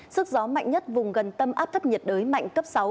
sức gió mạnh nhất vùng gần tâm áp thấp nhiệt đới mạnh cấp sáu